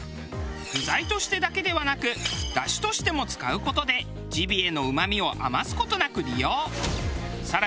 具材としてだけではなくだしとしても使う事でジビエのうまみを余す事なく利用。